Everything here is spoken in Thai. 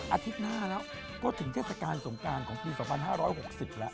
อาทิตย์หน้าแล้วก็ถึงเทศกาลสงการของปี๒๕๖๐แล้ว